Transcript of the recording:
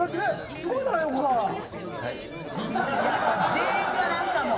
全員が何かもう。